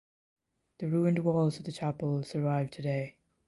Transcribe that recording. The ruined walls of the Chapel survive today.